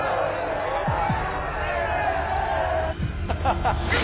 ハハハッ！